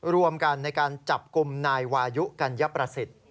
รวมกันในการจับกลุ่มนายวายุกัญญประสิทธิ์